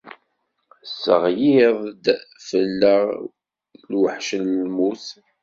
Tesseɣliḍ-d fell-aɣ lweḥc n lmut.